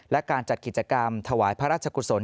และการจัดกิจกรรมถวายพระราชกุศล